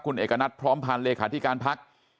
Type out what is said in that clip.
คุณเอกณัติพร้อมผ่านเลขาธิการภักดิ์